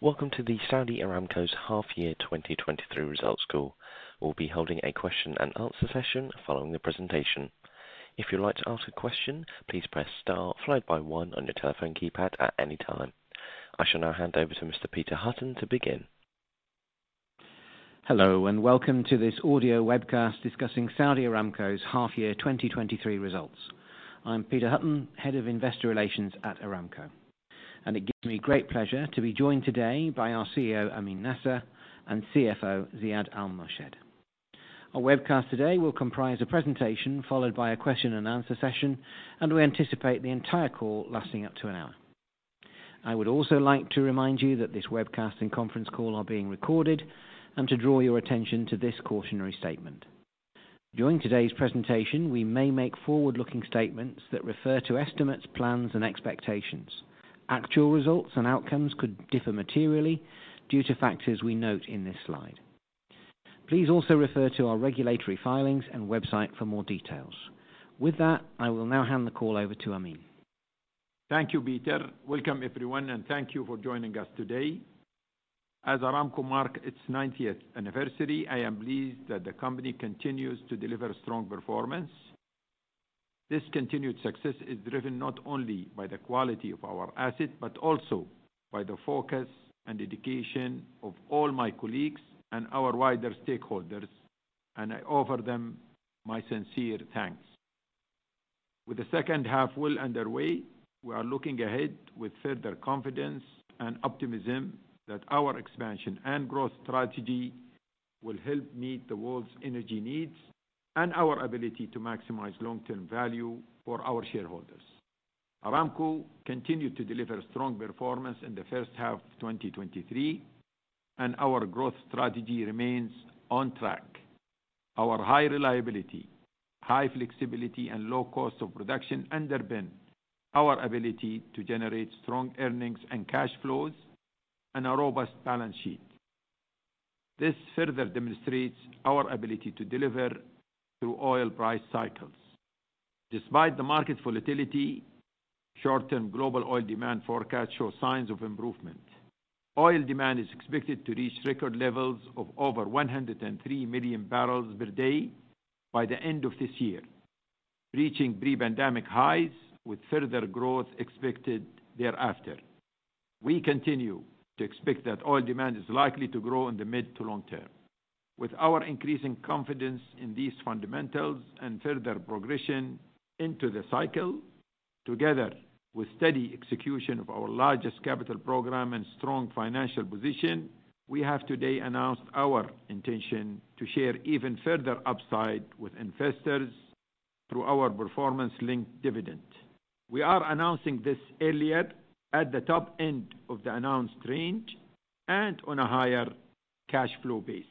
Welcome to the Saudi Aramco's half-year 2023 results call. We'll be holding a question and answer session following the presentation. If you'd like to ask a question, please press star followed by one on your telephone keypad at any time. I shall now hand over to Mr. Peter Hutton to begin. Hello, welcome to this audio webcast discussing Saudi Aramco's half-year 2023 results. I'm Peter Hutton, Head of Investor Relations at Aramco, and it gives me great pleasure to be joined today by our CEO, Amin Nasser, and CFO, Ziad Al-Murshed. Our webcast today will comprise a presentation followed by a question and answer session, and we anticipate the entire call lasting up to an hour. I would also like to remind you that this webcast and conference call are being recorded, and to draw your attention to this cautionary statement. During today's presentation, we may make forward-looking statements that refer to estimates, plans, and expectations. Actual results and outcomes could differ materially due to factors we note in this slide. Please also refer to our regulatory filings and website for more details. With that, I will now hand the call over to Amin. Thank you, Peter. Welcome, everyone, and thank you for joining us today. As Aramco marks its 90th anniversary, I am pleased that the company continues to deliver strong performance. This continued success is driven not only by the quality of our assets, but also by the focus and dedication of all my colleagues and our wider stakeholders, and I offer them my sincere thanks. With the second half well underway, we are looking ahead with further confidence and optimism that our expansion and growth strategy will help meet the world's energy needs and our ability to maximize long-term value for our shareholders. Aramco continued to deliver strong performance in the first half of 2023, and our growth strategy remains on track. Our high reliability, high flexibility, and low cost of production underpin our ability to generate strong earnings and cash flows and a robust balance sheet. This further demonstrates our ability to deliver through oil price cycles. Despite the market volatility, short-term global oil demand forecast show signs of improvement. Oil demand is expected to reach record levels of over 103 million barrels per day by the end of this year, reaching pre-pandemic highs, with further growth expected thereafter. We continue to expect that oil demand is likely to grow in the mid to long-term. With our increasing confidence in these fundamentals and further progression into the cycle, together with steady execution of our largest capital program and strong financial position, we have today announced our intention to share even further upside with investors through our performance-linked dividend. We are announcing this earlier at the top end of the announced range and on a higher cash flow base.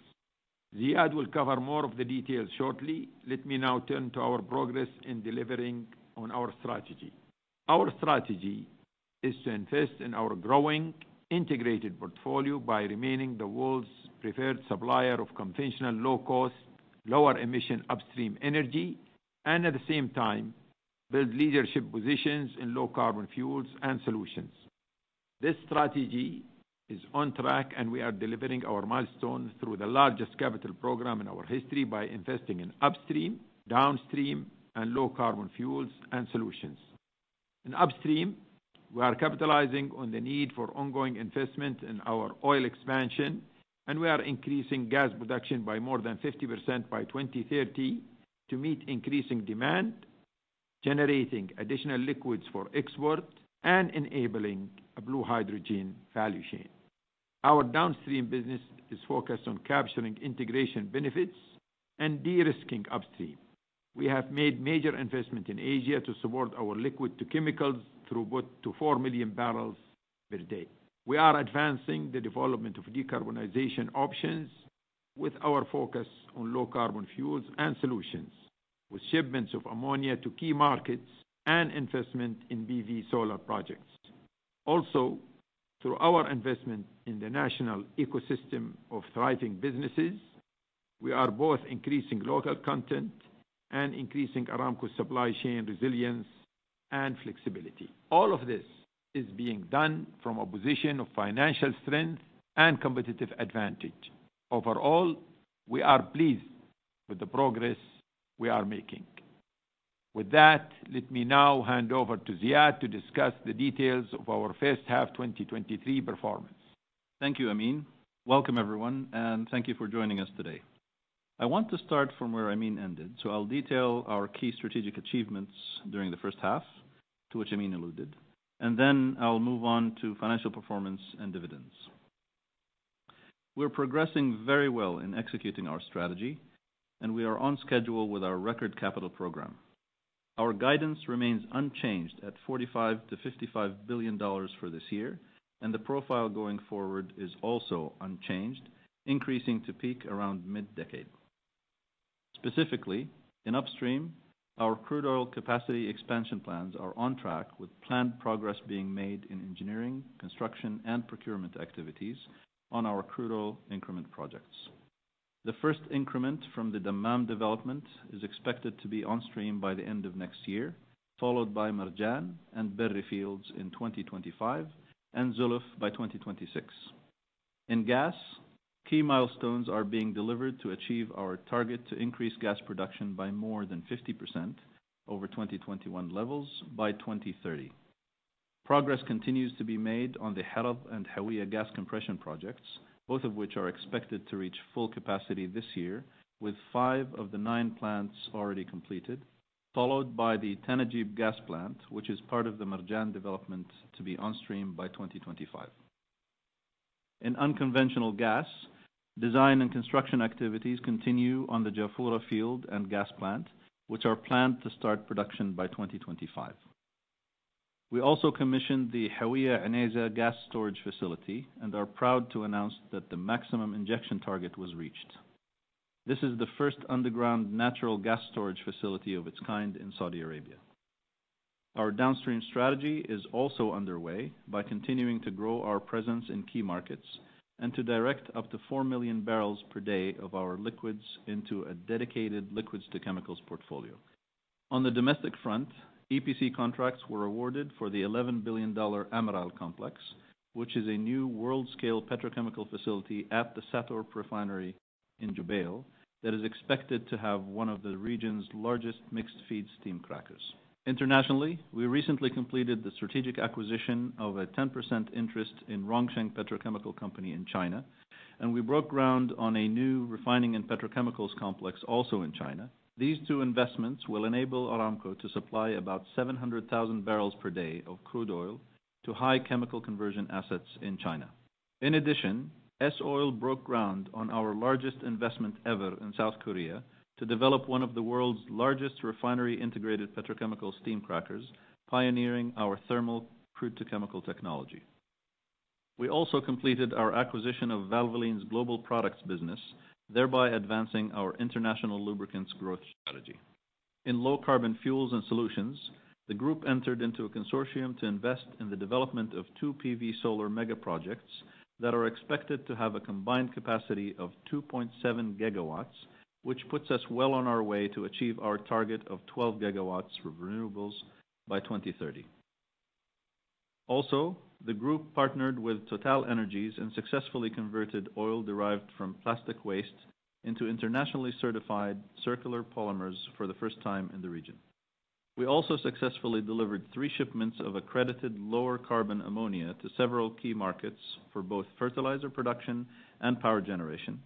Ziad will cover more of the details shortly. Let me now turn to our progress in delivering on our strategy. Our strategy is to invest in our growing integrated portfolio by remaining the world's preferred supplier of conventional, low cost, lower emission upstream energy, and at the same time, build leadership positions in low carbon fuels and solutions. This strategy is on track, and we are delivering our milestones through the largest capital program in our history by investing in upstream, downstream, and low carbon fuels and solutions. In upstream, we are capitalizing on the need for ongoing investment in our oil expansion, and we are increasing gas production by more than 50% by 2030 to meet increasing demand, generating additional liquids for export and enabling a blue hydrogen value chain. Our downstream business is focused on capturing integration benefits and de-risking upstream. We have made major investment in Asia to support our liquids to chemicals throughput to four million barrels per day. We are advancing the development of decarbonization options with our focus on low carbon fuels and solutions, with shipments of ammonia to key markets and investment in PV solar projects. Through our investment in the national ecosystem of thriving businesses, we are both increasing local content and increasing Aramco supply chain resilience and flexibility. All of this is being done from a position of financial strength and competitive advantage. We are pleased with the progress we are making. With that, let me now hand over to Ziad to discuss the details of our first half 2023 performance. Thank you, Amin. Welcome, everyone, and thank you for joining us today. I want to start from where Amin ended, so I'll detail our key strategic achievements during the first half, to which Amin alluded, and then I'll move on to financial performance and dividends. We're progressing very well in executing our strategy, and we are on schedule with our record capital program. Our guidance remains unchanged at $45 billion-$55 billion for this year, and the profile going forward is also unchanged, increasing to peak around mid-decade. Specifically, in upstream, our crude oil capacity expansion plans are on track, with planned progress being made in engineering, construction, and procurement activities on our crude oil increment projects. The first increment from the Dammam development is expected to be on stream by the end of next year, followed by Marjan and Berri fields in 2025, and Zuluf by 2026. In gas, key milestones are being delivered to achieve our target to increase gas production by more than 50% over 2021 levels by 2030. Progress continues to be made on the Haradh and Hawiyah gas compression projects, both of which are expected to reach full capacity this year, with five of the nine plants already completed, followed by the Tanajib gas plant, which is part of the Marjan development, to be on stream by 2025. In unconventional gas, design and construction activities continue on the Jafurah field and gas plant, which are planned to start production by 2025. We also commissioned the Hawiyah Unayzah gas storage facility and are proud to announce that the maximum injection target was reached. This is the first underground natural gas storage facility of its kind in Saudi Arabia. Our downstream strategy is also underway by continuing to grow our presence in key markets and to direct up to four million barrels per day of our liquids into a dedicated liquids to chemicals portfolio. On the domestic front, EPC contracts were awarded for the $11 billion Amiral complex, which is a new world-scale petrochemical facility at the SATORP refinery in Jubail, that is expected to have one of the region's largest mixed-feed steam crackers. Internationally, we recently completed the strategic acquisition of a 10% interest in Rongsheng Petrochemical Company in China, and we broke ground on a new refining and petrochemicals complex, also in China. These two investments will enable Aramco to supply about 700,000 barrels per day of crude oil to high chemical conversion assets in China. In addition, S-OIL broke ground on our largest investment ever in South Korea, to develop one of the world's largest refinery-integrated petrochemical steam crackers, pioneering our thermal crude-to-chemicals technology. We also completed our acquisition of Valvoline's global products business, thereby advancing our international lubricants growth strategy. In low carbon fuels and solutions, the group entered into a consortium to invest in the development of two PV solar mega projects that are expected to have a combined capacity of 2.7 gigawatts, which puts us well on our way to achieve our target of 12 gigawatts for renewables by 2030. Also, the group partnered with TotalEnergies and successfully converted oil derived from plastic waste into internationally certified circular polymers for the first time in the region. We also successfully delivered three shipments of accredited lower carbon ammonia to several key markets for both fertilizer production and power generation.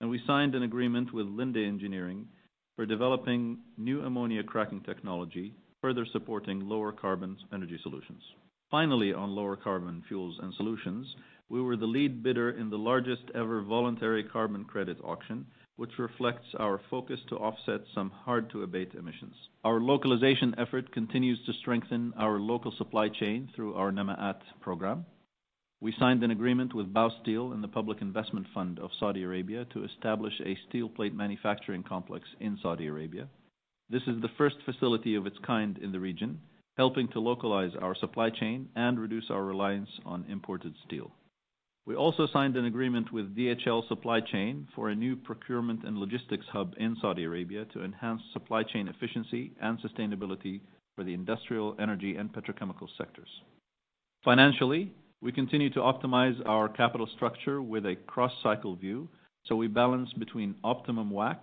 We signed an agreement with Linde Engineering for developing new ammonia cracking technology, further supporting lower carbon energy solutions. Finally, on lower carbon fuels and solutions, we were the lead bidder in the largest-ever voluntary carbon credit auction, which reflects our focus to offset some hard-to-abate emissions. Our localization effort continues to strengthen our local supply chain through our Namaat program. We signed an agreement with Baosteel and the Public Investment Fund of Saudi Arabia to establish a steel plate manufacturing complex in Saudi Arabia. This is the first facility of its kind in the region, helping to localize our supply chain and reduce our reliance on imported steel. We also signed an agreement with DHL Supply Chain for a new procurement and logistics hub in Saudi Arabia to enhance supply chain efficiency and sustainability for the industrial, energy, and petrochemical sectors. Financially, we continue to optimize our capital structure with a cross-cycle view, so we balance between optimum WACC,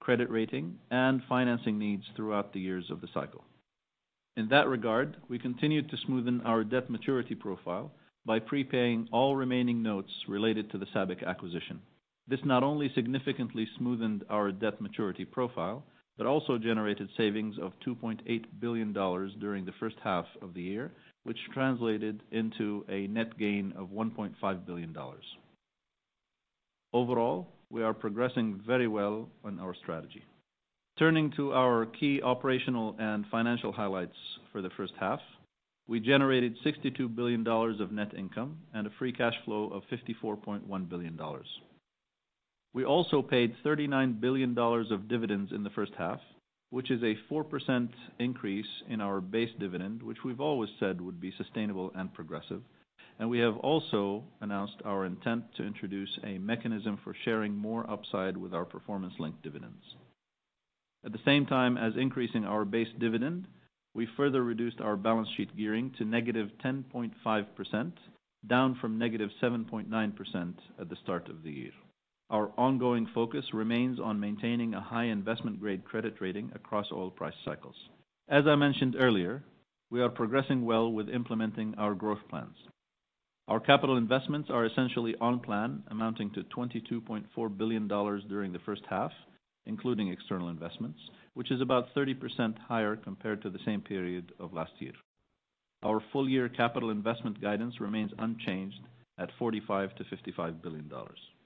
credit rating, and financing needs throughout the years of the cycle. In that regard, we continued to smoothen our debt maturity profile by prepaying all remaining notes related to the SABIC acquisition. This not only significantly smoothened our debt maturity profile, but also generated savings of $2.8 billion during the first half of the year, which translated into a net gain of $1.5 billion. Overall, we are progressing very well on our strategy. Turning to our key operational and financial highlights for the first half. We generated $62 billion of net income and a free cash flow of $54.1 billion. We also paid $39 billion of dividends in the first half, which is a 4% increase in our base dividend, which we've always said would be sustainable and progressive. We have also announced our intent to introduce a mechanism for sharing more upside with our performance-linked dividends. At the same time as increasing our base dividend, we further reduced our balance sheet gearing to negative 10.5%, down from negative 7.9% at the start of the year. Our ongoing focus remains on maintaining a high investment-grade credit rating across oil price cycles. As I mentioned earlier, we are progressing well with implementing our growth plans. Our capital investments are essentially on plan, amounting to $22.4 billion during the first half, including external investments, which is about 30% higher compared to the same period of last year. Our full-year capital investment guidance remains unchanged at $45 billion-$55 billion.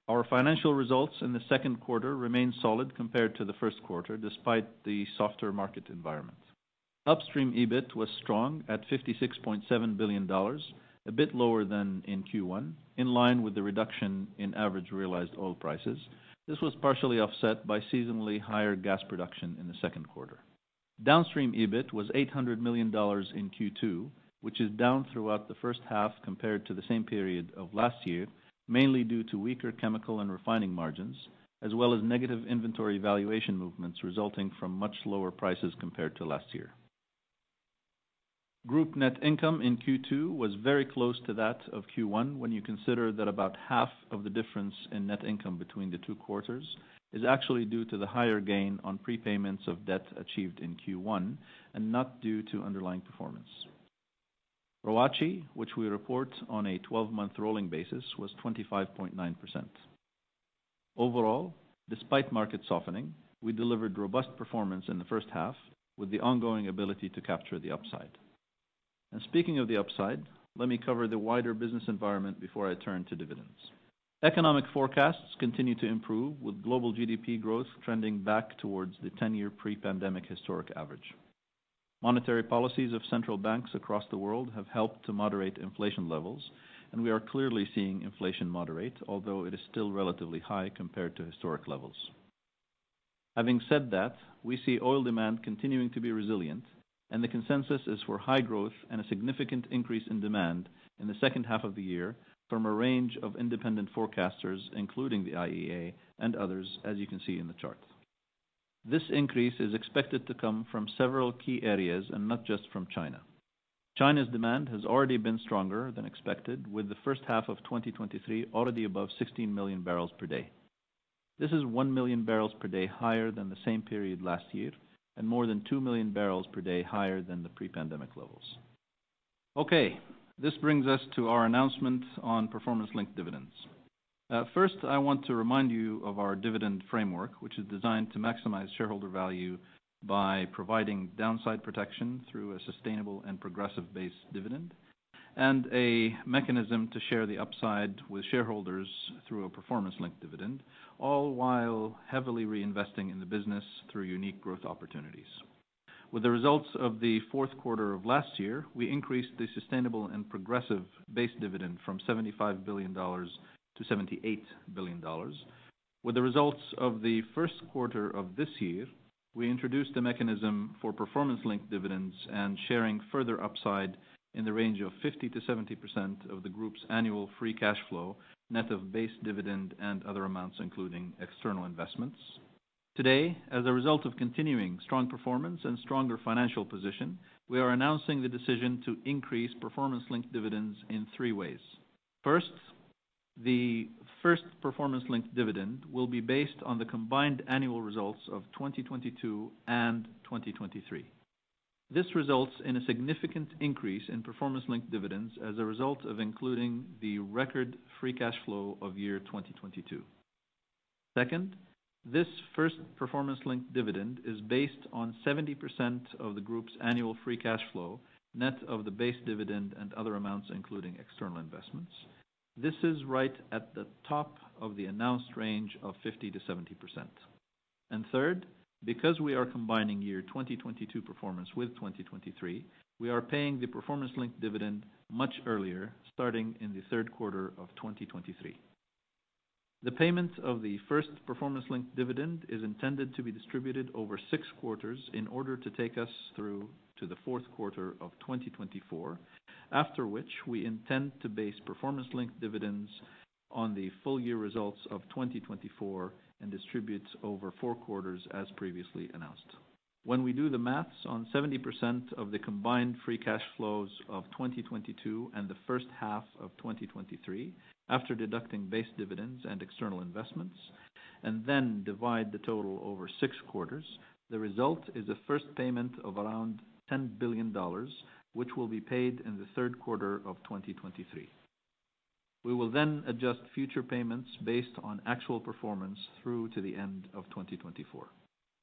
Our financial results in the second quarter remained solid compared to the first quarter, despite the softer market environment. Upstream EBIT was strong at $56.7 billion, a bit lower than in Q1, in line with the reduction in average realized oil prices. This was partially offset by seasonally higher gas production in the second quarter. Downstream EBIT was $800 million in Q2, which is down throughout the first half compared to the same period of last year, mainly due to weaker chemical and refining margins, as well as negative inventory valuation movements resulting from much lower prices compared to last year. Group net income in Q2 was very close to that of Q1, when you consider that about half of the difference in net income between the two quarters is actually due to the higher gain on prepayments of debt achieved in Q1, and not due to underlying performance. ROACE, which we report on a twelve-month rolling basis, was 25.9%. Overall, despite market softening, we delivered robust performance in the first half, with the ongoing ability to capture the upside. Speaking of the upside, let me cover the wider business environment before I turn to dividends. Economic forecasts continue to improve, with global GDP growth trending back towards the ten-year pre-pandemic historic average. Monetary policies of central banks across the world have helped to moderate inflation levels, and we are clearly seeing inflation moderate, although it is still relatively high compared to historic levels. Having said that, we see oil demand continuing to be resilient, and the consensus is for high growth and a significant increase in demand in the second half of the year from a range of independent forecasters, including the IEA and others, as you can see in the chart. This increase is expected to come from several key areas and not just from China. China's demand has already been stronger than expected, with the first half of 2023 already above 16 million barrels per day. This is one million barrels per day higher than the same period last year, and more than two million barrels per day higher than the pre-pandemic levels. Okay, this brings us to our announcement on performance-linked dividends. First, I want to remind you of our dividend framework, which is designed to maximize shareholder value by providing downside protection through a sustainable and progressive base dividend, and a mechanism to share the upside with shareholders through a performance-linked dividend, all while heavily reinvesting in the business through unique growth opportunities. With the results of the fourth quarter of last year, we increased the sustainable and progressive base dividend from $75 billion to $78 billion. With the results of the first quarter of this year, we introduced a mechanism for performance-linked dividends and sharing further upside in the range of 50%-70% of the group's annual free cash flow, net of base dividend and other amounts, including external investments. Today, as a result of continuing strong performance and stronger financial position, we are announcing the decision to increase performance-linked dividends in three ways. First, the first performance-linked dividend will be based on the combined annual results of 2022 and 2023. This results in a significant increase in performance-linked dividends as a result of including the record free cash flow of year 2022. Second, this first performance-linked dividend is based on 70% of the group's annual free cash flow, net of the base dividend and other amounts, including external investments. This is right at the top of the announced range of 50%-70%. Third, because we are combining year 2022 performance with 2023, we are paying the performance-linked dividend much earlier, starting in the 3rd quarter of 2023. The payment of the first performance-linked dividend is intended to be distributed over six quarters in order to take us through to the fourth quarter of 2024, after which we intend to base performance-linked dividends on the full year results of 2024, and distribute over four quarters as previously announced. When we do the math on 70% of the combined free cash flows of 2022 and the first half of 2023, after deducting base dividends and external investments, and then divide the total over six quarters, the result is a first payment of around $10 billion, which will be paid in the third quarter of 2023. We will adjust future payments based on actual performance through to the end of 2024.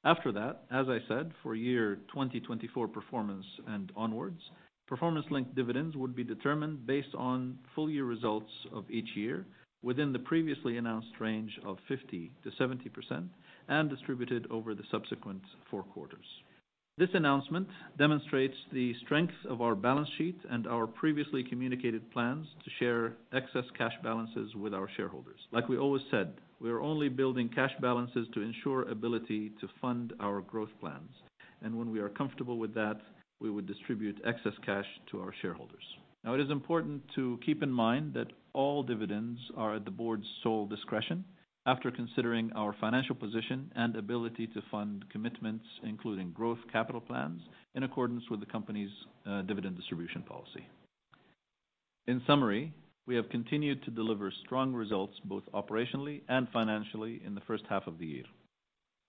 After that, as I said, for year 2024 performance and onwards, performance-linked dividends would be determined based on full year results of each year within the previously announced range of 50%-70%, and distributed over the subsequent four quarters. This announcement demonstrates the strength of our balance sheet and our previously communicated plans to share excess cash balances with our shareholders. Like we always said, we are only building cash balances to ensure ability to fund our growth plans, and when we are comfortable with that, we would distribute excess cash to our shareholders. Now, it is important to keep in mind that all dividends are at the board's sole discretion after considering our financial position and ability to fund commitments, including growth capital plans, in accordance with the company's dividend distribution policy. In summary, we have continued to deliver strong results, both operationally and financially, in the first half of the year.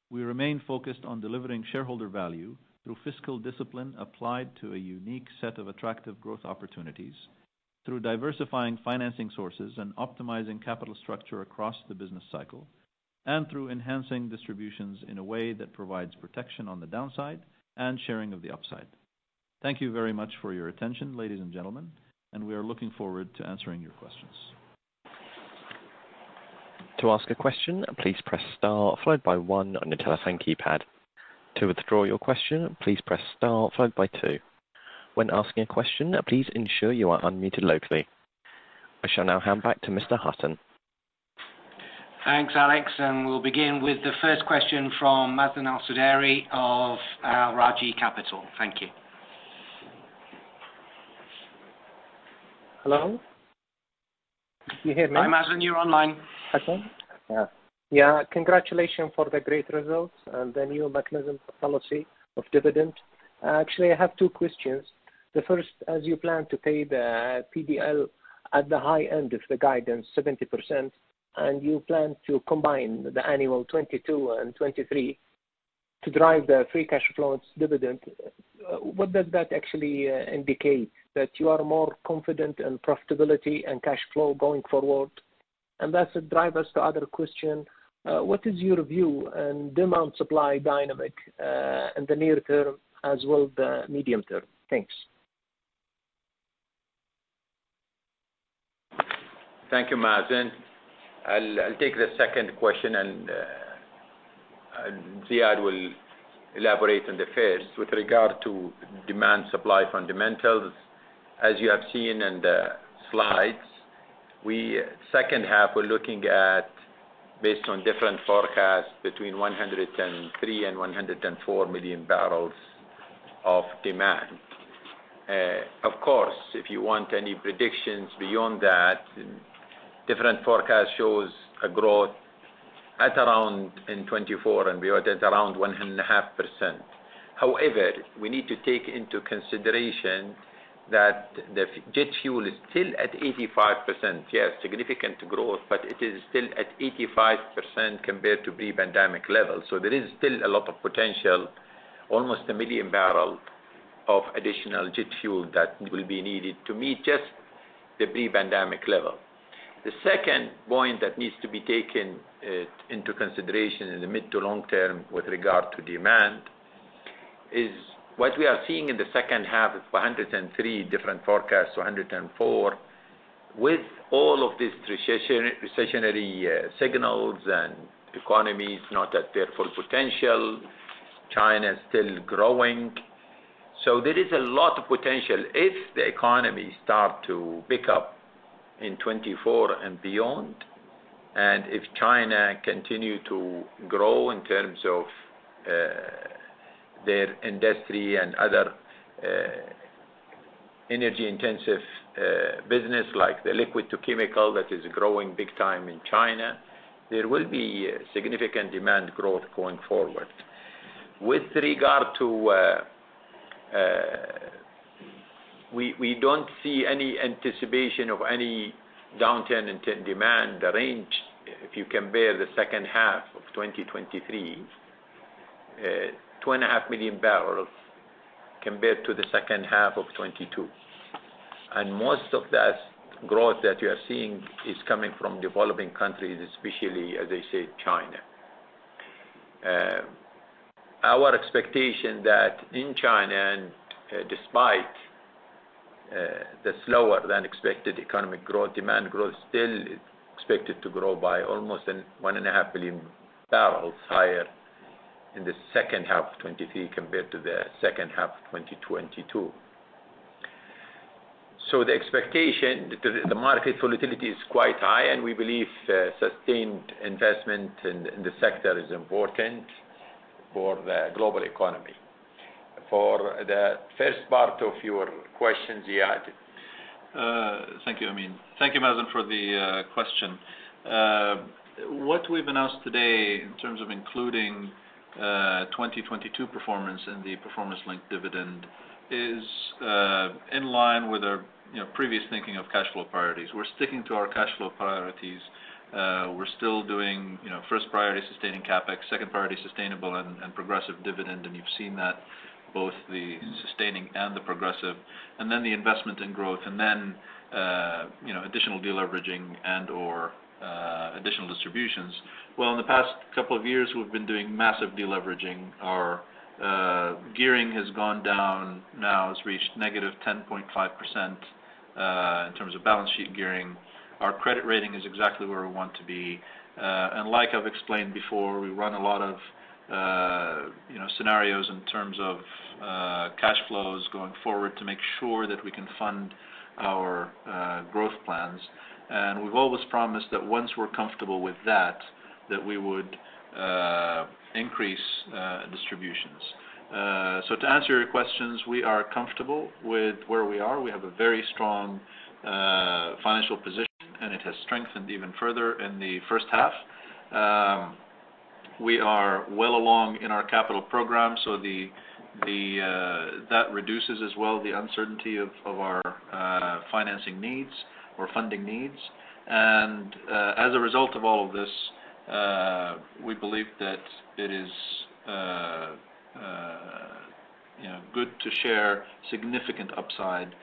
We remain focused on delivering shareholder value through fiscal discipline applied to a unique set of attractive growth opportunities, through diversifying financing sources and optimizing capital structure across the business cycle, and through enhancing distributions in a way that provides protection on the downside and sharing of the upside. Thank you very much for your attention, ladies and gentlemen. We are looking forward to answering your questions. To ask a question, please press star followed by one on your telephone keypad. To withdraw your question, please press star followed by two. When asking a question, please ensure you are unmuted locally. I shall now hand back to Mr. Hutton. Thanks, Alex, and we'll begin with the first question from Mazen Al-Sudairi of Al Rajhi Capital. Thank you. Hello? Can you hear me? Hi, Mazen, you're online. Okay. Yeah, yeah, congratulations for the great results and the new mechanism policy of dividend. Actually, I havetwo questions. The first, as you plan to pay the PLD at the high end of the guidance, 70%, and you plan to combine the annual 2022 and 2023 to drive the free cash flows dividend, what does that actually indicate? That you are more confident in profitability and cash flow going forward? That drive us to other question, what is your view on demand supply dynamic in the near-term as well the medium-term? Thanks. Thank you, Mazen. I'll, I'll take the second question, and Ziad will elaborate on the first. With regard to demand supply fundamentals, as you have seen in the slides, second half, we're looking at, based on different forecasts, between 103 million and 104 million barrels of demand. If you want any predictions beyond that, different forecast shows a growth at around in 2024 and we are at around 1.5%. However, we need to take into consideration that the jet fuel is still at 85%. Yes, significant growth, but it is still at 85% compared to pre-pandemic levels. There is still a lot of potential, almostone million barrels of additional jet fuel that will be needed to meet just the pre-pandemic level. The second point that needs to be taken into consideration in the mid to long-term with regard to demand is what we are seeing in the second half is 403 different forecasts, 404, with all of these recessionary, recessionary signals and economies not at their full potential, China is still growing. There is a lot of potential if the economy start to pick up in 2024 and beyond, and if China continue to grow in terms of their industry and other energy-intensive business, like the liquids to chemicals, that is growing big time in China, there will be significant demand growth going forward. With regard to, we, we don't see any anticipation of any downturn in demand. The range, if you compare the second half of 2023, 2.5 million barrels compared to the second half of 2022. And most of that growth that you are seeing is coming from developing countries, especially, as I said, China. Our expectation that in China and, despite, the slower than expected economic growth, demand growth still is expected to grow by almost an 1.5 billion barrels higher in the second half of 2023 compared to the second half of 2022. So the expectation, the, the market volatility is quite high, and we believe, sustained investment in, in the sector is important for the global economy. For the first part of your question, Ziad. Thank you, Amin. Thank you, Mazen, for the question. What we've announced today in terms of including 2022 performance and the performance-linked dividend is in line with our, you know, previous thinking of cash flow priorities. We're sticking to our cash flow priorities. We're still doing, you know, first priority, sustaining CapEx, second priority, sustainable and progressive dividend, and you've seen that both the sustaining and the progressive, and then the investment in growth, and then, you know, additional deleveraging and or additional distributions. Well, in the past couple of years, we've been doing massive deleveraging. Our gearing has gone down, now it's reached negative 10.5% in terms of balance sheet gearing. Our credit rating is exactly where we want to be. Like I've explained before, we run a lot of, you know, scenarios in terms of cash flows going forward to make sure that we can fund our growth plans. We've always promised that once we're comfortable with that, that we would increase distributions. To answer your questions, we are comfortable with where we are. We have a very strong financial position, and it has strengthened even further in the first half. We are well along in our capital program, so the, the, that reduces as well the uncertainty of, of our financing needs or funding needs. As a result of all of this, we believe that it is, you know, good to share significant upside,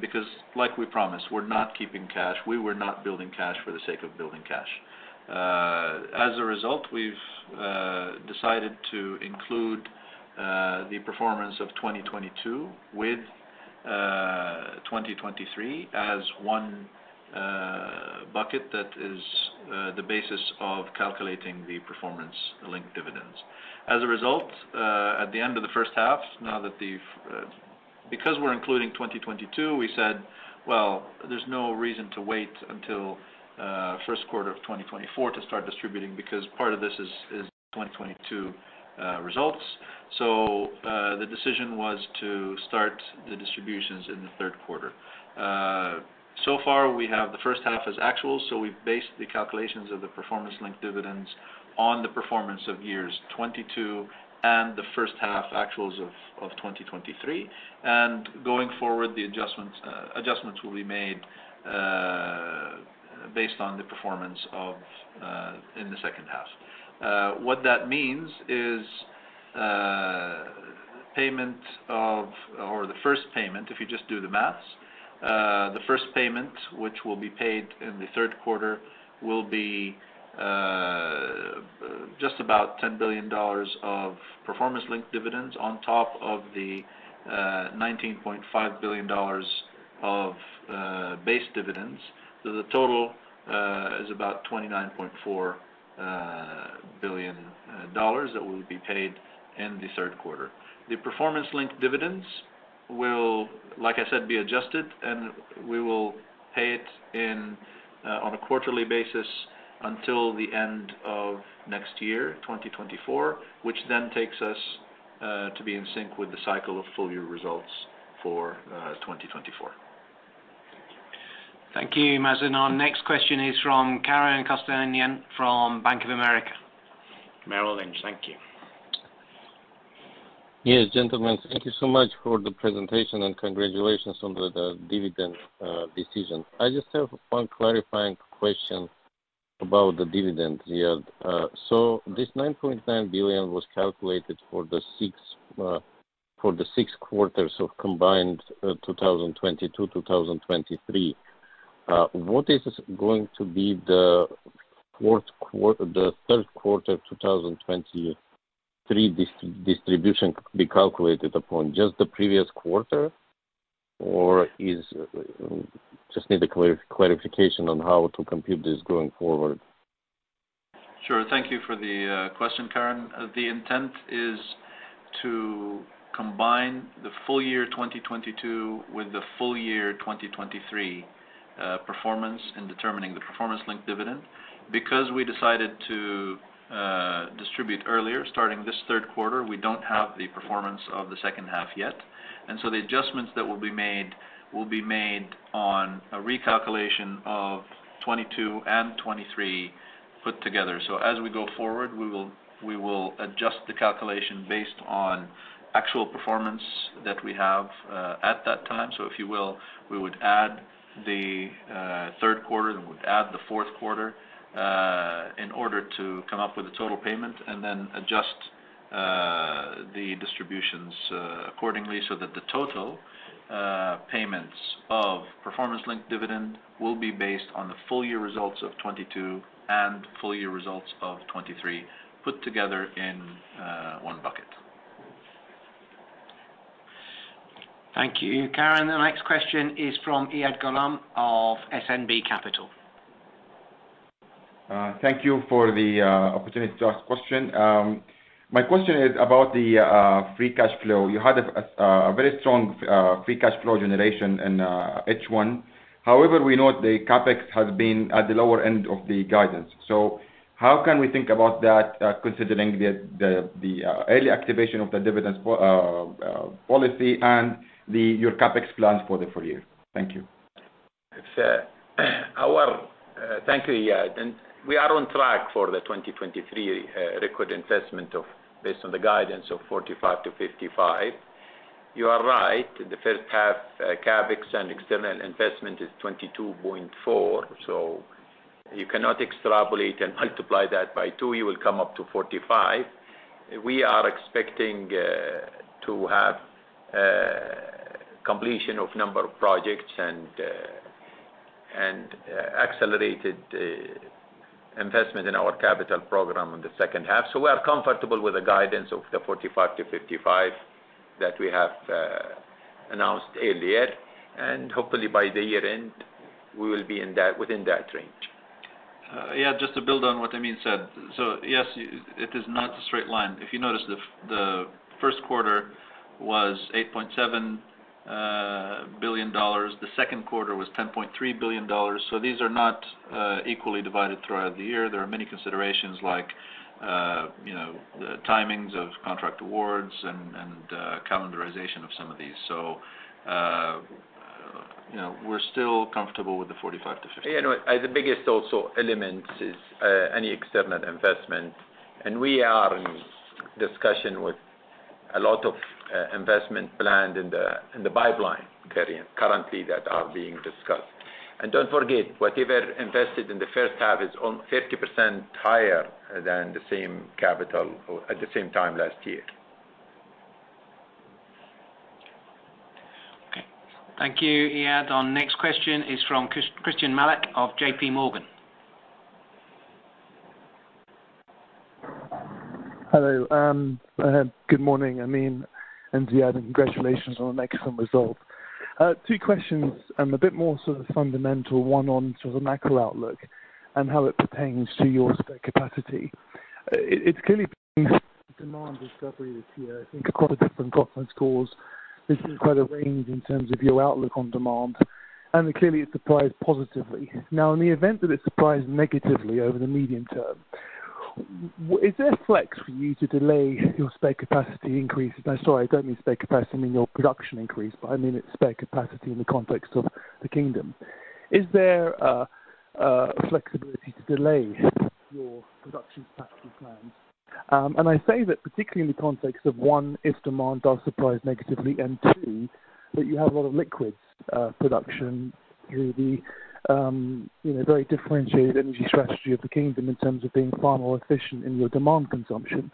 because like we promised, we're not keeping cash. We were not building cash for the sake of building cash. As a result, we've decided to include the performance of 2022 with 2023 as one bucket that is the basis of calculating the performance-linked dividends. As a result, at the end of the first half, now that the... Because we're including 2022, we said, well, there's no reason to wait until first quarter of 2024 to start distributing, because part of this is 2022 results. The decision was to start the distributions in the third quarter. So far, we have the first half as actual, so we based the calculations of the performance-linked dividends on the performance of years 2022 and the first half actuals of 2023. Going forward, the adjustments, adjustments will be made, based on the performance of, in the second half. What that means is, payment of or the first payment, if you just do the maths, the first payment, which will be paid in the third quarter, will be just about $10 billion of performance-linked dividends on top of the $19.5 billion of base dividends. The total is about $29.4 billion that will be paid in the third quarter. The performance-linked dividends will, like I said, be adjusted, and we will pay it in on a quarterly basis until the end of next year, 2024, which then takes us to be in sync with the cycle of full year results for 2024. Thank you, Mazin. Our next question is from Karen Kostanian from Bank of America Merrill Lynch. Thank you. Yes, gentlemen, thank you so much for the presentation, and congratulations on the, the dividend decision. I just have one clarifying question about the dividend yield. This $9.9 billion was calculated for the six, for the six quarters of combined 2022, 2023. What is going to be the third quarter of 2023 distribution be calculated upon, just the previous quarter, or just need a clarification on how to compute this going forward? Sure. Thank you for the question, Karen. The intent is to combine the full year 2022 with the full year 2023 performance in determining the performance-linked dividend. Because we decided to distribute earlier, starting this third quarter, we don't have the performance of the second half yet, and so the adjustments that will be made will be made on a recalculation of 22 and 23 put together. As we go forward, we will, we will adjust the calculation based on actual performance that we have at that time. If you will, we would add the, third quarter, then we'd add the fourth quarter, in order to come up with a total payment, and then adjust, the distributions, accordingly, so that the total, payments of performance-linked dividend will be based on the full year results of 2022 and full year results of 2023, put together in, one bucket. Thank you, Karen. The next question is from Iyad Gholam of SNB Capital. Thank you for the opportunity to ask question. My question is about the free cash flow. You had a very strong free cash flow generation in H1. We know the CapEx has been at the lower end of the guidance. How can we think about that considering the early activation of the dividends policy and your CapEx plans for the full year? Thank you. It's, thank you, Iyad. We are on track for the 2023 record investment of based on the guidance of $45 billion-$55 billion. You are right, the first half CapEx and external investment is $22.4 billion. You cannot extrapolate and multiply that by two, you will come up to $45 billion. We are expecting to have completion of number of projects and accelerated investment in our capital program in the second half. We are comfortable with the guidance of the $45 billion-$55 billion that we have announced earlier, and hopefully by the year-end, we will be in that, within that range. Iyad, just to build on what Amin said. Yes, it is not a straight line. If you notice, the first quarter was $8.7 billion. The second quarter was $10.3 billion. These are not equally divided throughout the year. There are many considerations like, you know, the timings of contract awards and, and, calendarization of some of these. You know, we're still comfortable with the $45 billion-$55 billion. Yeah, no, the biggest also element is any external investment, and we are in discussion with a lot of investment planned in the, in the pipeline currently, currently that are being discussed. Don't forget, whatever invested in the first half is on 50% higher than the same capital at the same time last year. Okay. Thank you, Iyad. Our next question is from Christyan Malek of JP Morgan. Hello, good morning, Amin and Ziad, and congratulations on the excellent result. Two questions and a bit more sort of fundamental, one on sort of the macro outlook and how it pertains to your spare capacity. It, it's clearly demand discovery this year, I think, quite a different conference cause. This is quite a range in terms of your outlook on demand, and clearly it surprised positively. Now, in the event that it surprised negatively over the medium term, is there a flex for you to delay your spare capacity increase? I'm sorry, I don't mean spare capacity, I mean your production increase, but I mean it's spare capacity in the context of the kingdom. Is there a flexibility to delay your production capacity plans? I say that particularly in the context of, one, if demand does surprise negatively, and two, that you have a lot of liquids production through the, you know, very differentiated energy strategy of the kingdom in terms of being far more efficient in your demand consumption.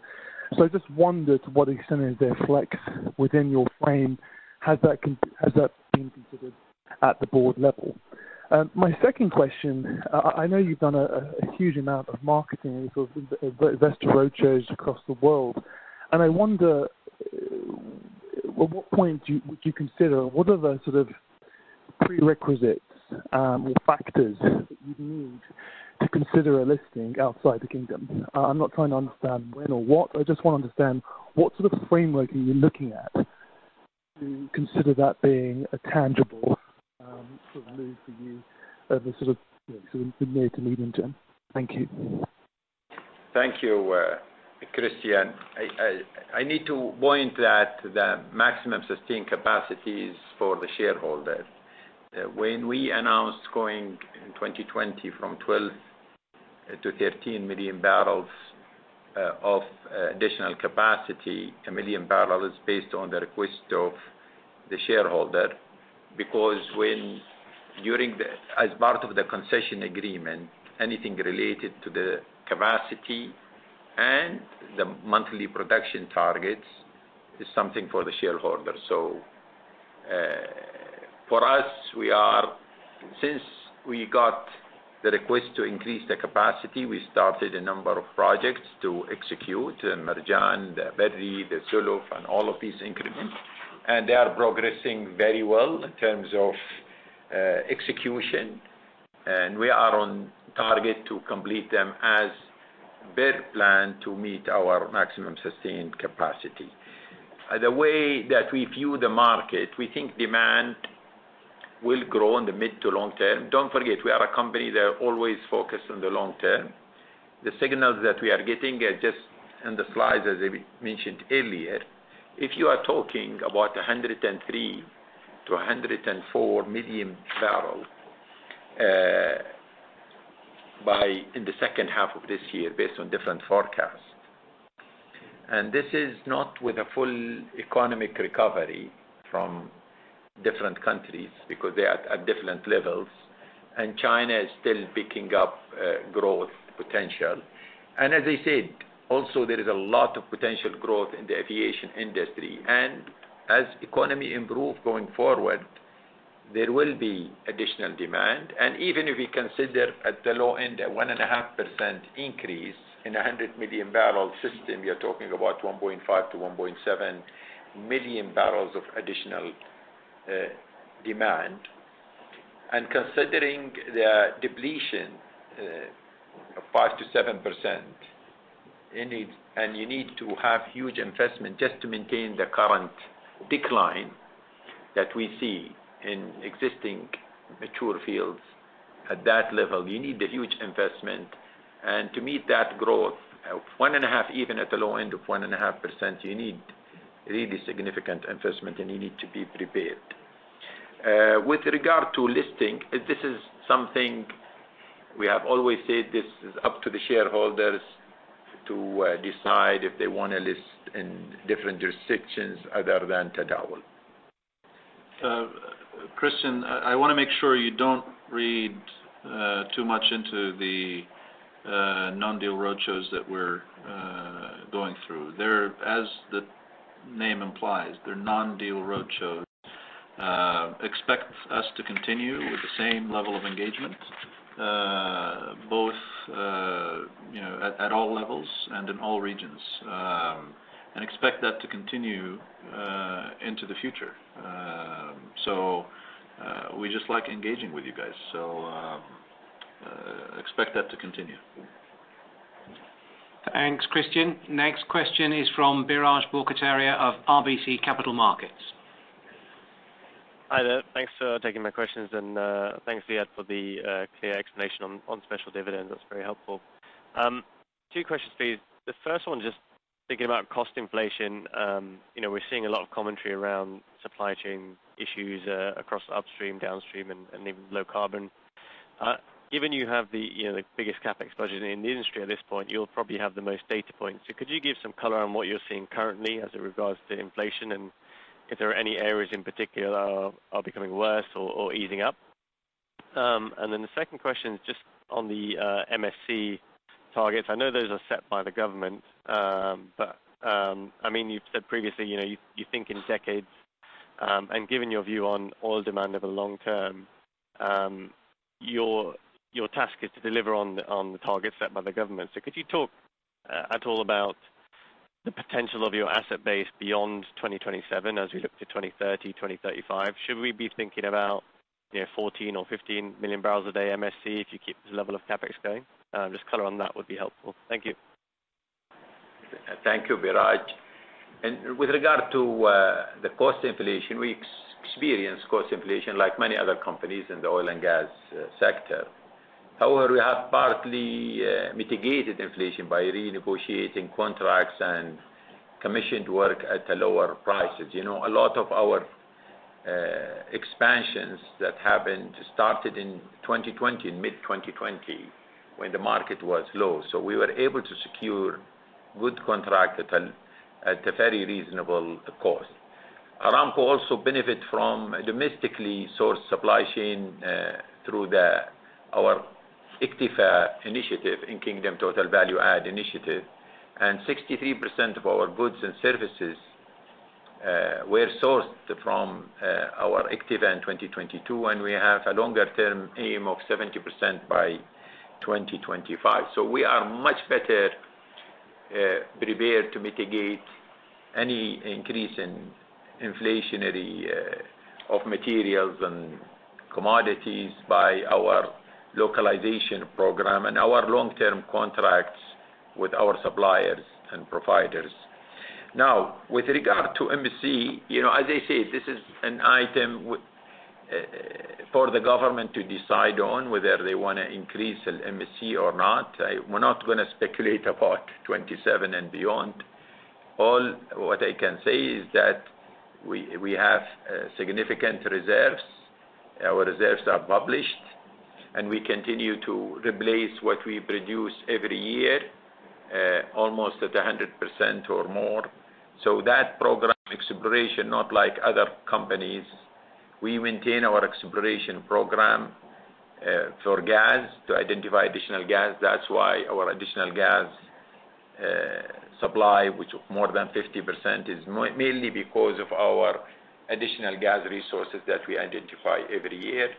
I just wondered to what extent is there a flex within your frame? Has that been considered at the board level? My second question, I know you've done a huge amount of marketing and sort of investor roadshows across the world, I wonder, at what point do you, would you consider, what are the sort of prerequisites or factors that you need to consider a listing outside the kingdom? I'm not trying to understand when or what, I just want to understand what sort of framework are you looking at to consider that being a tangible, sort of move for you over sort of, you know, the near to medium-term? Thank you. Thank you, Christian. I, I, I need to point that the maximum sustained capacity is for the shareholder. When we announced going in 2020 from 12 million-13 million barrels of additional capacity, one million barrels is based on the request of the shareholder. When, during the, as part of the concession agreement, anything related to the capacity and the monthly production targets is something for the shareholder. For us, we are, since we got the request to increase the capacity, we started a number of projects to execute Marjan, the Berri, the Zuluf, and all of these increments, and they are progressing very well in terms of execution, and we are on target to complete them as per plan to meet our maximum sustained capacity. The way that we view the market, we think demand will grow in the mid to long-term. Don't forget, we are a company that are always focused on the long-term. The signals that we are getting are just in the slides, as I mentioned earlier, if you are talking about 103 million-104 million barrels by in the second half of this year, based on different forecasts, and this is not with a full economic recovery from different countries because they are at different levels, and China is still picking up growth potential. As I said, also, there is a lot of potential growth in the aviation industry, and as economy improves going forward, there will be additional demand. Even if you consider at the low end, a 1.5% increase in a 100 million barrel system, you're talking about 1.5 million-1.7 million barrels of additional demand. Considering the depletion of 5%-7%, you need to have huge investment just to maintain the current decline that we see in existing mature fields. At that level, you need a huge investment. To meet that growth of 1.5, even at the low end of 1.5%, you need really significant investment, and you need to be prepared. With regard to listing, this is something we have always said, this is up to the shareholders to decide if they want to list in different jurisdictions other than Tadawul. ChristyanI, I want to make sure you don't read too much into the non-deal roadshows that we're going through. They're, as the name implies, they're non-deal roadshows. Expect us to continue with the same level of engagement, both, you know, at, at all levels and in all regions, and expect that to continue into the future. We just like engaging with you guys, so, expect that to continue. Thanks, Christyan. Next question is from Biraj Borkhataria of RBC Capital Markets. Hi there. Thanks for taking my questions. Thanks, Riyadh, for the clear explanation on special dividends. That's very helpful. Two questions for you. The first one, just thinking about cost inflation, you know, we're seeing a lot of commentary around supply chain issues across upstream, downstream, and even low carbon. Given you have the, you know, the biggest CapEx budget in the industry at this point, you'll probably have the most data points. Could you give some color on what you're seeing currently as it regards to inflation, and if there are any areas in particular are becoming worse or easing up? The second question is just on the MSC targets. I know those are set by the government, but, I mean, you've said previously, you know, you, you think in decades, and given your view on oil demand over the long-term, your, your task is to deliver on the, on the targets set by the government. Could you talk at all about the potential of your asset base beyond 2027 as we look to 2030, 2035? Should we be thinking about, you know, 14 or 15 million barrels a day MSC, if you keep this level of CapEx going? Just color on that would be helpful. Thank you. Thank you, Biraj. With regard to the cost inflation, we experience cost inflation like many other companies in the oil and gas sector. However, we have partly mitigated inflation by renegotiating contracts and commissioned work at lower prices. You know, a lot of our expansions that happened started in 2020, in mid-2020, when the market was low. We were able to secure good contract at a very reasonable cost. Aramco also benefit from a domestically sourced supply chain through our iktva initiative, In-Kingdom Total Value Add initiative, and 63% of our goods and services were sourced from our iktva in 2022, and we have a longer-term aim of 70% by 2025. We are much better prepared to mitigate any increase in inflationary of materials and commodities by our localization program and our long-term contracts with our suppliers and providers. With regard to MSC, you know, as I said, this is an item for the government to decide on whether they want to increase an MSC or not. We're not going to speculate about 27 and beyond. All what I can say is that we, we have significant reserves. Our reserves are published, and we continue to replace what we produce every year, almost at 100% or more. That program exploration, not like other companies, we maintain our exploration program for gas, to identify additional gas. That's why our additional gas supply, which more than 50%, is mainly because of our additional gas resources that we identify every year.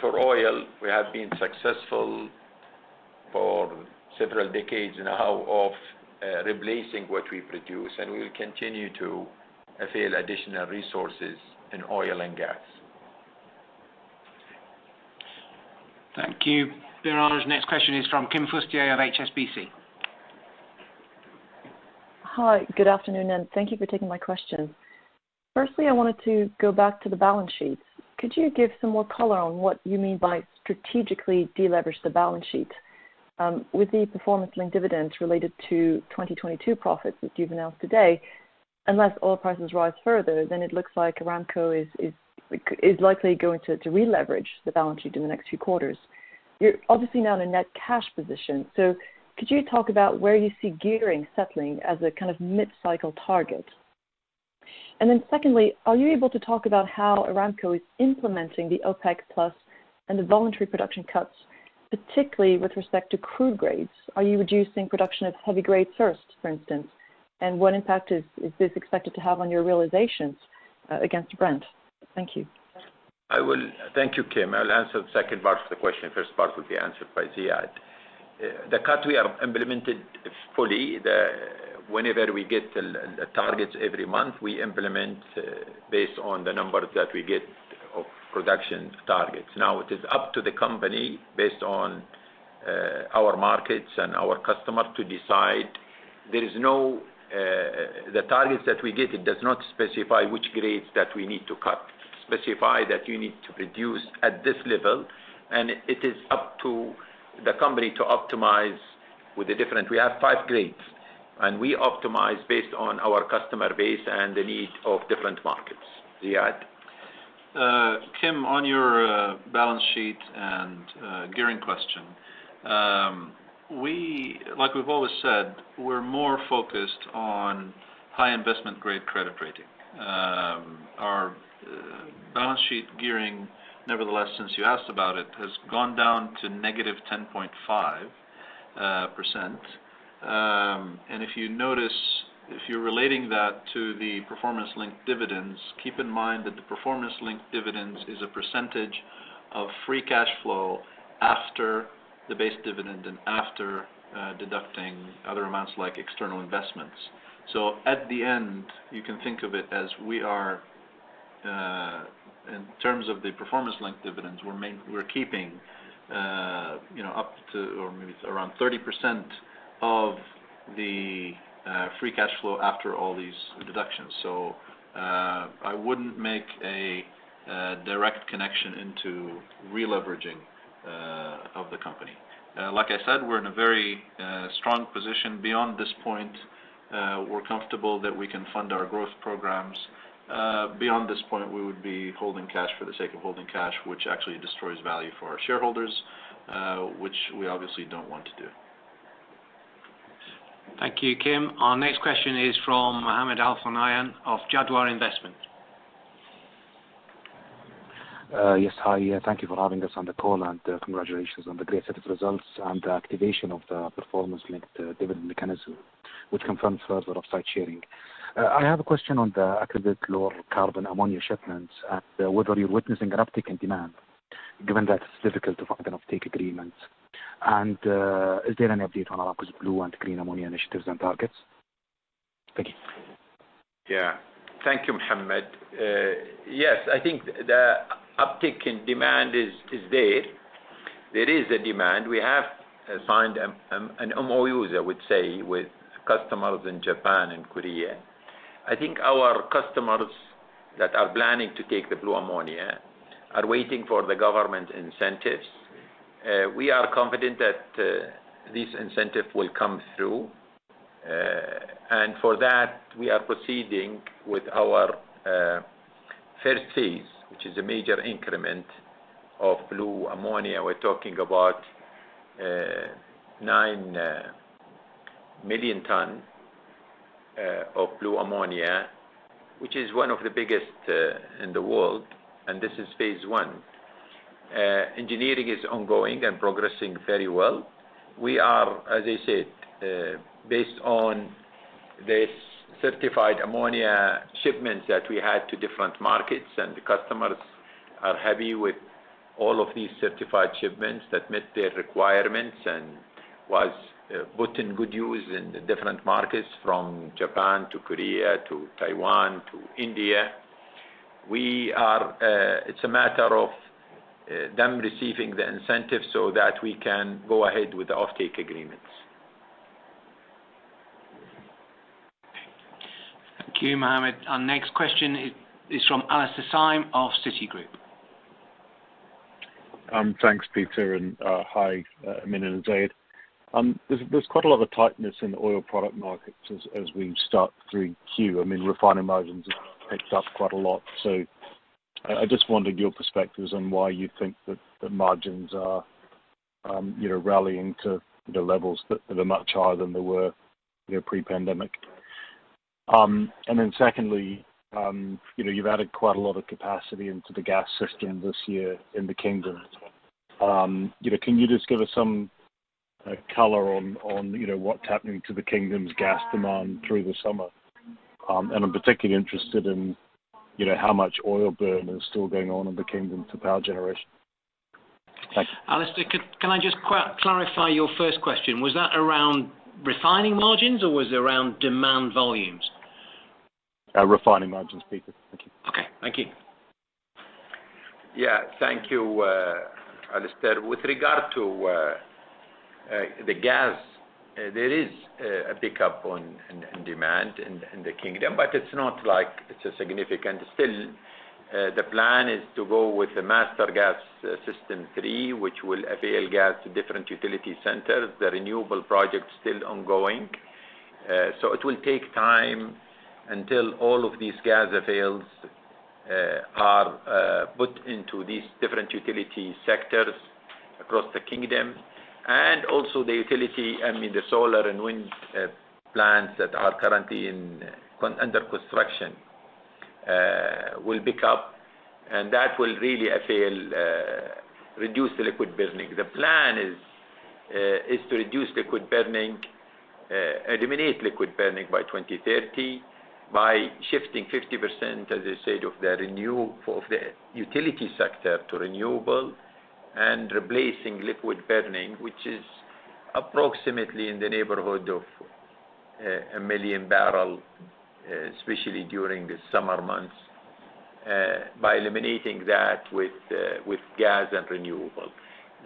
For oil, we have been successful for several decades now of replacing what we produce, and we will continue to avail additional resources in oil and gas. Thank you, Biraj. Next question is from Kim Fustier of HSBC. Hi, good afternoon, thank you for taking my question. Firstly, I wanted to go back to the balance sheet. Could you give some more color on what you mean by strategically deleverage the balance sheet? With the performance-linked dividends related to 2022 profits, which you've announced today, unless oil prices rise further, then it looks like Aramco is likely going to releverage the balance sheet in the next few quarters. You're obviously now in a net cash position, so could you talk about where you see gearing settling as a kind of mid-cycle target? Secondly, are you able to talk about how Aramco is implementing the OPEC+ and the voluntary production cuts, particularly with respect to crude grades? Are you reducing production of heavy grades first, for instance, and what impact is this expected to have on your realizations against Brent? Thank you. Thank you, Kim. I'll answer the second part of the question. First part will be answered by Ziad. The cut we have implemented fully, whenever we get the targets every month, we implement based on the numbers that we get of production targets. Now, it is up to the company, based on our markets and our customer, to decide. There is no, the targets that we get, it does not specify which grades that we need to cut. Specify that you need to produce at this level, and it is up to the company to optimize with the different. We have five grades, and we optimize based on our customer base and the need of different markets. Ziad? Kim, on your balance sheet and gearing question, we, like we've always said, we're more focused on high investment-grade credit rating. Our balance sheet gearing, nevertheless, since you asked about it, has gone down to negative 10.5%. If you notice, if you're relating that to the performance-linked dividends, keep in mind that the performance-linked dividends is a percentage of free cash flow after the base dividend and after deducting other amounts like external investments. At the end, you can think of it as we are, in terms of the performance-linked dividends, we're keeping, you know, up to or maybe around 30% of the free cash flow after all these deductions. I wouldn't make a direct connection into releveraging of the company. Like I said, we're in a very strong position. Beyond this point, we're comfortable that we can fund our growth programs. Beyond this point, we would be holding cash for the sake of holding cash, which actually destroys value for our shareholders, which we obviously don't want to do. Thank you, Kim. Our next question is from Mohammed Al-Thunayan of Jadwa Investment. Yes, hi, thank you for having us on the call, and, congratulations on the great set of results and the activation of the performance-linked dividend mechanism, which confirms further of site sharing. I have a question on the accredited lower carbon ammonia shipments and whether you're witnessing an uptick in demand? given that it's difficult to kind of take agreements. Is there any update on Aramco's blue and green ammonia initiatives and targets? Thank you. Yeah. Thank you, Mohammed. Yes, I think the uptick in demand is, is there. There is a demand. We have signed an MOU, I would say, with customers in Japan and Korea. I think our customers that are planning to take the blue ammonia are waiting for the government incentives. We are confident that this incentive will come through. For that, we are proceeding with our first phase, which is a major increment of blue ammonia. We're talking about nine million ton of blue ammonia, which is one of the biggest in the world, and this is phase 1. Engineering is ongoing and progressing very well. We are, as I said, based on this certified ammonia shipments that we had to different markets, and the customers are happy with all of these certified shipments that met their requirements and was put in good use in the different markets from Japan to Korea to Taiwan to India. We are, it's a matter of them receiving the incentives so that we can go ahead with the offtake agreements. Thank you, Mohammed. Our next question is from Alastair Syme of Citigroup. Thanks, Peter, and hi, Amin and Ziad. There's quite a lot of tightness in the oil product markets as we start through Q. I mean, refining margins have picked up quite a lot. I just wanted your perspectives on why you think that the margins are, you know, rallying to the levels that are much higher than they were, you know, pre-pandemic. Secondly, you know, you've added quite a lot of capacity into the gas system this year in the Kingdom. You know, can you just give us some color on, you know, what's happening to the Kingdom's gas demand through the summer? I'm particularly interested in, you know, how much oil burn is still going on in the Kingdom for power generation. Thank you. Alastair, can I just clarify your first question? Was that around refining margins, or was it around demand volumes? Refining margins, Peter. Thank you. Okay, thank you. Yeah. Thank you, Alastair. With regard to the gas, there is a pickup on in, in demand in, in the Kingdom, but it's not like it's a significant. Still, the plan is to go with the Master Gas System 3, which will avail gas to different utility centers. The renewable project still ongoing. So it will take time until all of these gas avails are put into these different utility sectors across the Kingdom. Also the utility, I mean, the solar and wind plants that are currently under construction will pick up, and that will really avail reduce the liquid burning. The plan is, is to reduce liquid burning, eliminate liquid burning by 2030, by shifting 50%, as I said, of the renew- of the utility sector to renewable and replacing liquid burning, which is approximately in the neighborhood of one million barrel, especially during the summer months, by eliminating that with, with gas and renewable.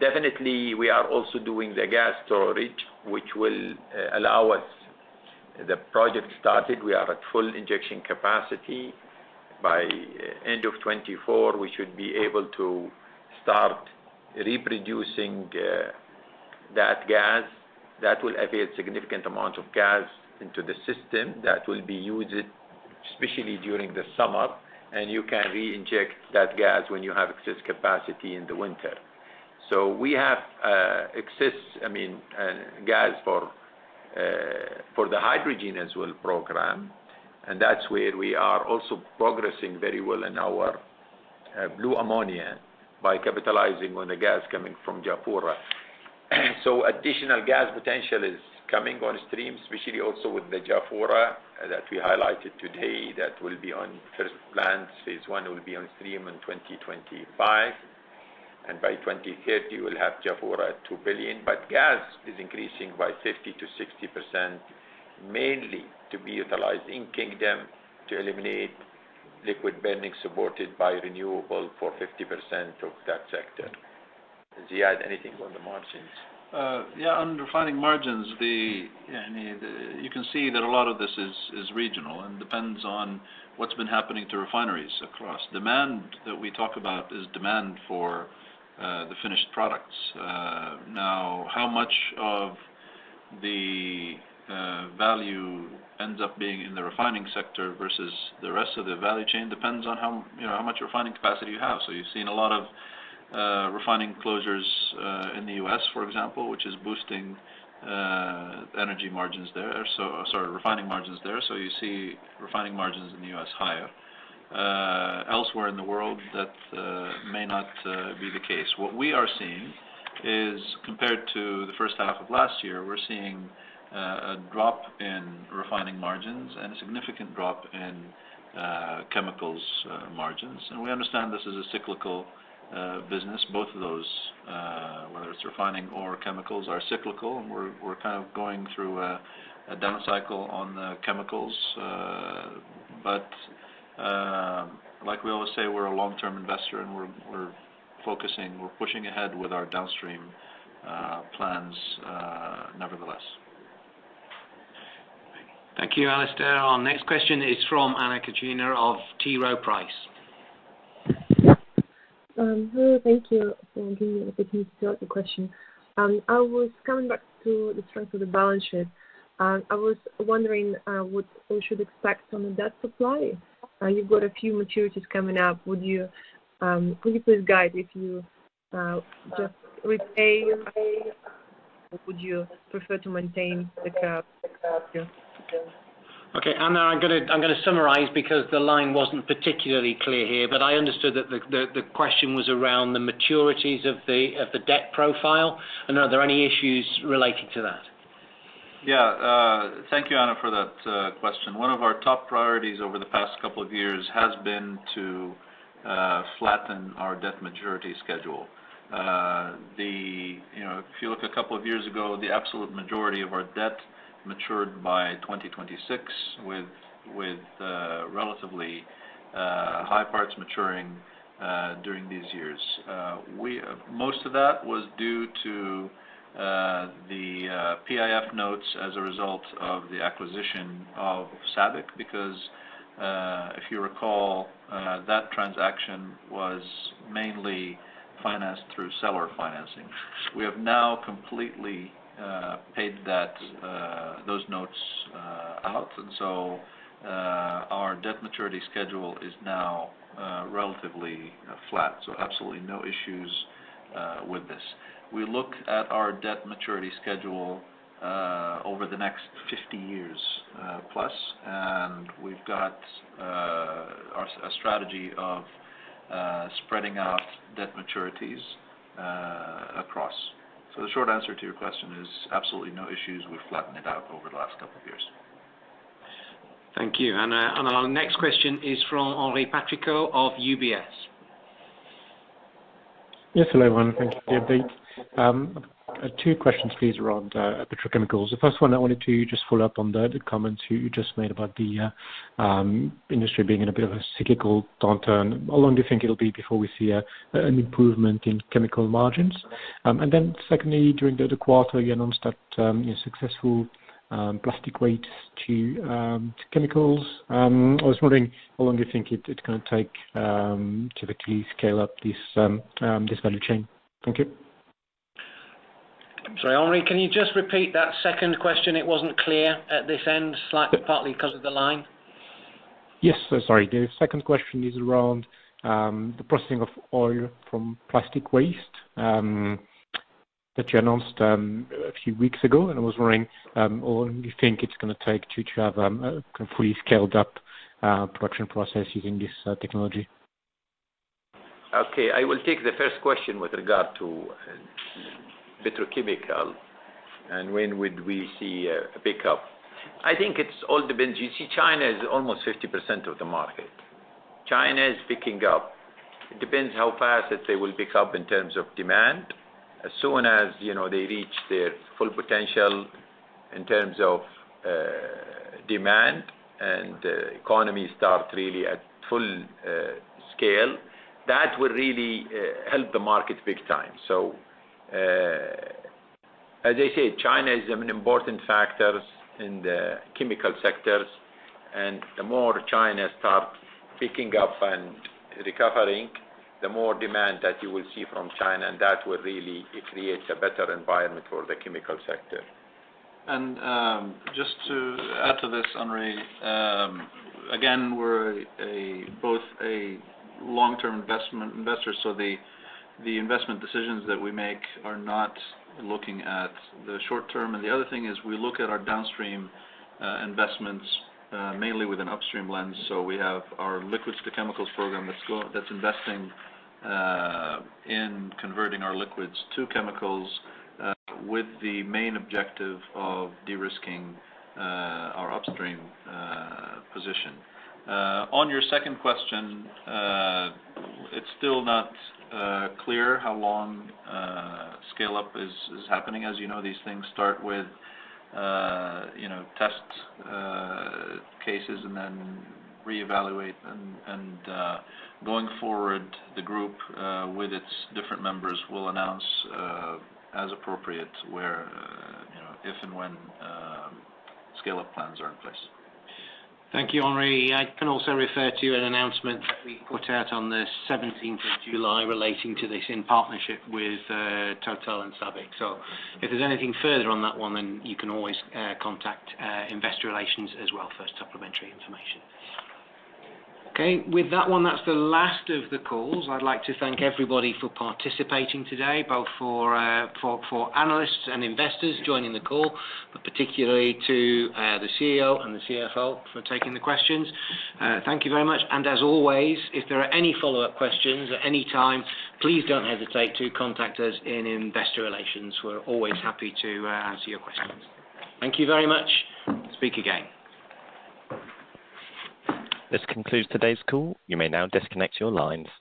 Definitely, we are also doing the gas storage, which will, allow us... The project started. We are at full injection capacity. By end of 2024, we should be able to start reproducing, that gas. That will avail a significant amount of gas into the system that will be used, especially during the summer, and you can reinject that gas when you have excess capacity in the winter. We have, I mean, gas for the hydrogen as well program, and that's where we are also progressing very well in our blue ammonia by capitalizing on the gas coming from Jafurah. Additional gas potential is coming on stream, especially also with the Jafurah that we highlighted today, that will be on first plant. Phase one will be on stream in 2025, and by 2030, we'll have Jafurah at $2 billion. Gas is increasing by 50%-60%, mainly to be utilized in Kingdom to eliminate liquid burning, supported by renewable for 50% of that sector. Does Zayed anything on the margins? Yeah, on refining margins, I mean, you can see that a lot of this is regional and depends on what's been happening to refineries across. Demand that we talk about is demand for the finished products. Now, how much of the value ends up being in the refining sector versus the rest of the value chain depends on how, you know, how much refining capacity you have. You've seen a lot of refining closures in the U.S., for example, which is boosting energy margins there. Sorry, refining margins there. You see refining margins in the U.S. higher. Elsewhere in the world, that may not be the case. What we are seeing-... is compared to the first half of last year, we're seeing a drop in refining margins and a significant drop in chemicals margins. We understand this is a cyclical business. Both of those, whether it's refining or chemicals, are cyclical, and we're, we're kind of going through a down cycle on the chemicals. like we always say, we're a long-term investor, and we're, we're focusing, we're pushing ahead with our downstream plans, nevertheless. Thank you, Alastair. Our next question is from Anna Kuchina of T. Rowe Price. Hello, thank you for giving me the opportunity to ask the question. I was coming back to the strength of the balance sheet. I was wondering what we should expect from the debt supply. You've got a few maturities coming up. Would you, could you please guide if you just repay, or would you prefer to maintain the cap? Thank you. Okay, Anna, I'm gonna, I'm gonna summarize because the line wasn't particularly clear here, but I understood that the question was around the maturities of the debt profile, and are there any issues related to that? Yeah, thank you, Anna, for that question. One of our top priorities over the past couple of years has been to flatten our debt maturity schedule. The... You know, if you look a couple of years ago, the absolute majority of our debt matured by 2026, with, with, relatively, high parts maturing during these years. We, most of that was due to the PIF notes as a result of the acquisition of SABIC, because, if you recall, that transaction was mainly financed through seller financing. We have now completely paid that those notes out, and so, our debt maturity schedule is now relatively flat, so absolutely no issues with this. We look at our debt maturity schedule over the next 50 years plus, and we've got a strategy of spreading out debt maturities across. The short answer to your question is absolutely no issues. We've flattened it out over the last couple of years. Thank you, Anna. Our next question is from Henri Patricot of UBS. Yes, hello, everyone. Thank you for the update. I have two questions, please, around petrochemicals. The first one, I wanted to just follow up on the comments you just made about the industry being in a bit of a cyclical downturn. How long do you think it'll be before we see an improvement in chemical margins? Secondly, during the quarter, you announced that your successful plastic waste to chemicals. I was wondering how long do you think it's gonna take to actually scale up this value chain? Thank you. I'm sorry, Henry, can you just repeat that second question? It wasn't clear at this end, slight, partly because of the line. Yes, so sorry. The second question is around the processing of oil from plastic waste that you announced a few weeks ago. I was wondering how long do you think it's gonna take to, to have a completely scaled up production process using this technology? Okay, I will take the first question with regard to petrochemical and when would we see a pickup. I think it's all depends. You see, China is almost 50% of the market. China is picking up. It depends how fast that they will pick up in terms of demand. As soon as, you know, they reach their full potential in terms of demand and economy start really at full scale, that will really help the market big time. As I said, China is an important factor in the chemical sectors, and the more China starts picking up and recovering, the more demand that you will see from China, and that will really, it creates a better environment for the chemical sector. Just to add to this, Henry, again, we're both a long-term investment investor, so the investment decisions that we make are not looking at the short term. The other thing is, we look at our downstream investments mainly with an upstream lens. We have our liquids to chemicals program that's investing in converting our liquids to chemicals with the main objective of de-risking our upstream position. On your second question, it's still not clear how long scale-up is happening. As you know, these things start with, you know, test cases and then reevaluate. Going forward, the group with its different members will announce as appropriate, where, you know, if and when scale-up plans are in place. Thank you, Henry. I can also refer to an announcement that we put out on the seventeenth of July relating to this in partnership with Total and SABIC. If there's anything further on that one, then you can always contact investor relations as well for supplementary information. With that one, that's the last of the calls. I'd like to thank everybody for participating today, both for, for, for analysts and investors joining the call, but particularly to the CEO and the CFO for taking the questions. Thank you very much. As always, if there are any follow-up questions at any time, please don't hesitate to contact us in investor relations. We're always happy to answer your questions. Thank you very much. Speak again. This concludes today's call. You may now disconnect your lines.